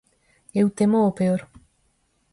Eu temo o peor.